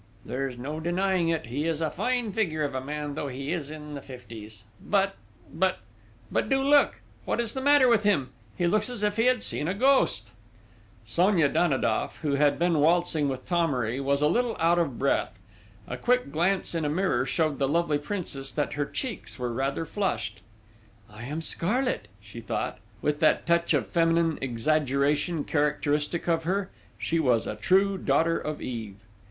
There's no denying it, he is a fine figure of a man, though he is in the fifties but!... but!... but do look! What is the matter with him? He looks as if he had seen a ghost." Sonia Danidoff, who had been waltzing with Thomery, was a little out of breath. A quick glance in a mirror showed the lovely Princess that her cheeks were rather flushed: "I am scarlet," she thought, with that touch of feminine exaggeration characteristic of her! She was a true daughter of Eve!